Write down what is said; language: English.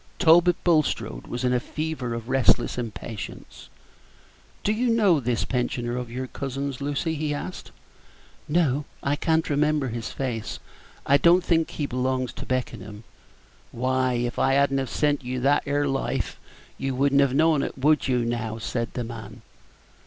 Talbot Bulstrode was in a fever of restless impatience. "Do you know this pensioner of your cousin's, Lucy?" he asked. "No, I can't remember his face. I don't think he belongs to Beckenham." "Why, if I had n't have sent you that 'ere Life, you would n't have know'd, would you, now?" said the man.